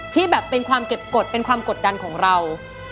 ที่แบบเป็นความเก็บกฎเป็นความกดดันของเรา